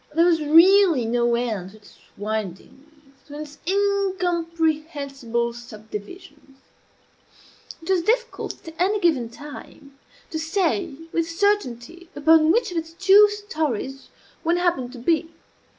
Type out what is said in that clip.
There was really no end to its windings to its incomprehensible subdivisions. It was difficult, at any given time, to say with certainty upon which of its two stories one happened to be.